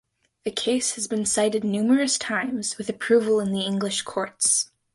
The case has been cited numerous times with approval in the English courts.